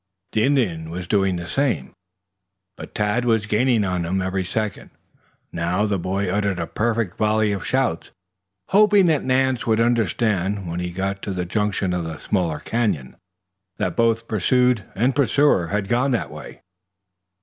The Indian was doing the same, but Tad was gaining on him every second. Now the boy uttered a perfect volley of shouts, hoping that Nance would understand when he got to the junction of the smaller canyon, that both pursued and pursuer had gone that way.